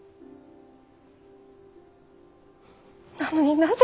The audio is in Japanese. なのになぜ？